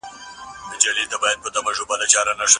مورنۍ ژبه څنګه د زده کړې خوښي زياتوي؟